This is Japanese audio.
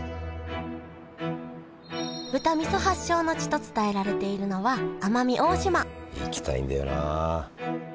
豚味噌発祥の地と伝えられているのは行きたいんだよな。